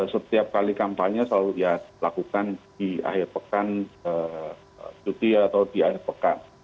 setiap kali kampanye selalu ya lakukan di akhir pekan cuti atau di akhir pekan